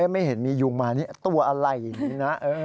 ไม่เห็นมียุงมานี่ตัวอะไรอย่างนี้นะ